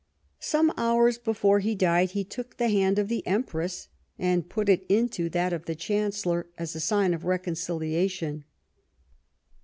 Some hours before he died, he took the hand of the Empress and put it into that of the Chancellor as a sign of reconciliation.